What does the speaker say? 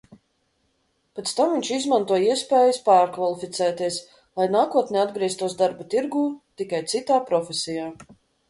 Pēc tam viņš izmanto iespējas pārkvalificēties, lai nākotnē atgrieztos darba tirgū, tikai citā profesijā.